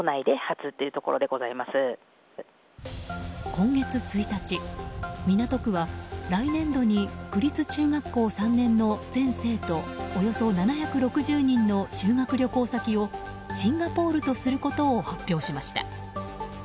今月１日、港区は来年度に区立中学校３年の全生徒およそ７６０人の修学旅行先をシンガポールとすることを発表しました。